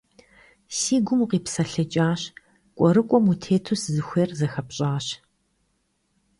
Си гум укъипсэлъыкӀащ кӀуэрыкӀуэм утету, сызыхуейр зыхэпщӀащ.